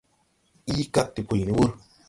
Ii kag de puy ne wūr.